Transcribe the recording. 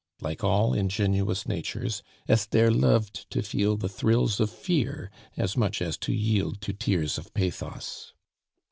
Like all ingenuous natures, Esther loved to feel the thrills of fear as much as to yield to tears of pathos.